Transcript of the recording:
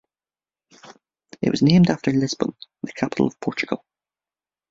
It was named after Lisbon, the capital of Portugal.